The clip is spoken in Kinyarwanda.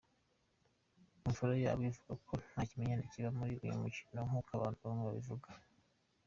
Imfurayabo avuga ko nta kimenyane kiba muri uyu mukino nk’uko abantu bamwe babivuga.